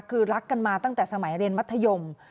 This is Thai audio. คือรักกันมาตั้งแต่สมัยเรียนมัธยม